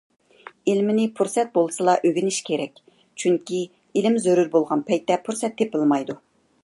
ئىلىمنى پۇرسەت بولسىلا ئۆگىنىش كېرەك، چۈنكى ئىلىم زۆرۈر بولغان پەيتتە پۇرسەت تېپىلمايدۇ.